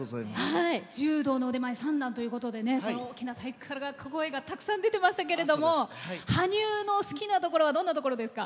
柔道の腕前３段ということでその大きな体格から大きい声が出てましたけど羽生の好きなところはどんなところですか？